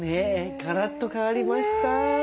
ガラッと変わりました。